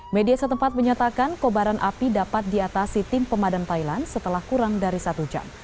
media setempat menyatakan kobaran api dapat diatasi tim pemadam thailand setelah kurang dari satu jam